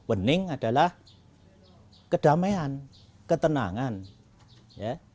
bening adalah kedamaian ketenangan ya